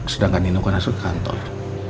sedangkan ini bukan masuk kantor